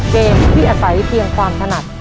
เกมที่อาศัยเพียงความถนัด